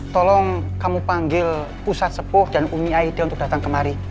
tolong kamu panggil pusat sepuh dan umi aida untuk datang kemari